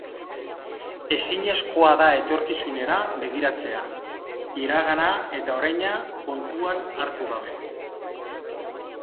Ezinezkoa da etorkizunera begiratzea, iragana eta oraina kontuan hartu gabe.